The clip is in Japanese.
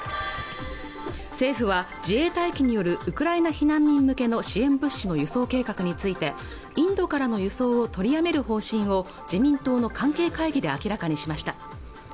政府は自衛隊機によるウクライナ避難民向けの支援物資の輸送計画についてインドからの輸送を取りやめる方針を自民党の関係会議で明らかにしました